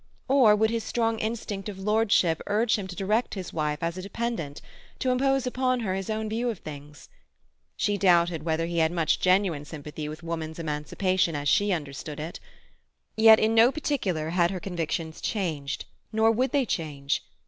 Or would his strong instinct of lordship urge him to direct his wife as a dependent, to impose upon her his own view of things? She doubted whether he had much genuine sympathy with woman's emancipation as she understood it. Yet in no particular had her convictions changed; nor would they change.